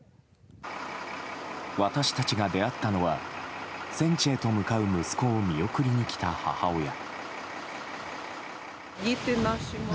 私たちが出会ったのは戦地へと向かう息子を見送りに来た母親。